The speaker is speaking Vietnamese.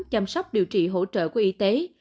chăm sóc điều trị hỗ trợ của y tế